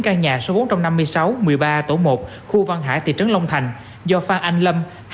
căn nhà số bốn trăm năm mươi sáu một mươi ba tổ một khu văn hải thị trấn long thành do phan anh lâm